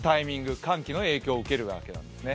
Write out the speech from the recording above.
寒気の影響を受けるわけなんですね。